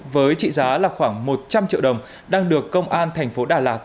với trị giá là khoảng một trăm linh triệu đồng đang được công an thành phố đà lạt